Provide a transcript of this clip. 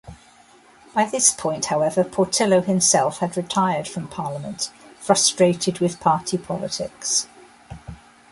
By this point, however, Portillo himself had retired from Parliament, frustrated with party politics.